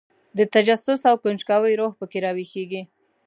د تجسس او کنجکاوۍ روح په کې راویښېږي.